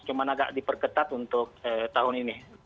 cuma agak diperketat untuk tahun ini